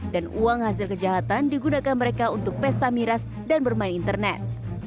uang hasil kejahatan digunakan mereka untuk pesta miras dan bermain internet